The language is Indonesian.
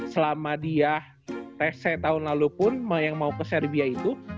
selama dia rese tahun lalu pun yang mau ke serbia itu